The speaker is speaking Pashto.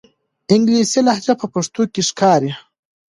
انګلیسي لهجه په پښتو کې ښکاري.